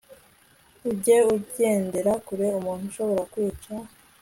ujye ugendera kure umuntu ushobora kwica